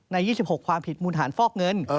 ๒๖ความผิดมูลฐานฟอกเงิน